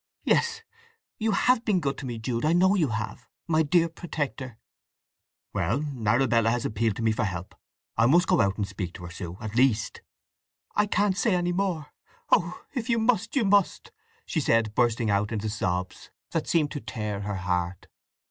"Yes, you have been good to me, Jude; I know you have, my dear protector." "Well—Arabella has appealed to me for help. I must go out and speak to her, Sue, at least!" "I can't say any more!—Oh, if you must, you must!" she said, bursting out into sobs that seemed to tear her heart.